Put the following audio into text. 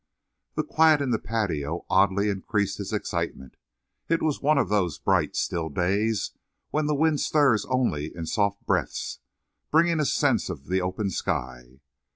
The quiet in the patio oddly increased his excitement. It was one of those bright, still days when the wind stirs only in soft breaths, bringing a sense of the open sky.